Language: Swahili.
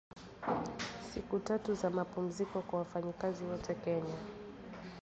Siku tatu za mapumziko kwa wafanyakazi wote Kenya